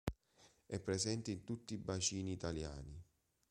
È presente in tutti i bacini italiani.